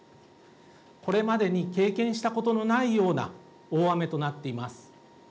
これまでに経験したことのないような大雨となっています。